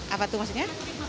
apa tuh maksudnya